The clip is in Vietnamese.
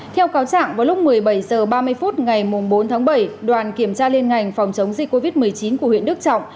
theo cáo trạng vào lúc một mươi bảy h ba mươi phút ngày bốn tháng bảy đoàn kiểm tra liên ngành phòng chống dịch covid một mươi chín của huyện đức trọng